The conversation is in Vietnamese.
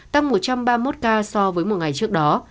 tăng một trăm ba mươi một ca so với một ngày trước đó